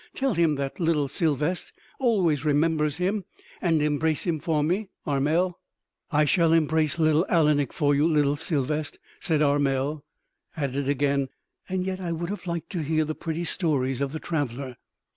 Tell him that little Sylvest always remembers him, and embrace him for me, Armel." "I shall embrace little Alanik for you, little Sylvest," and Armel added again, "and yet I would have liked to hear the pretty stories of the traveler!"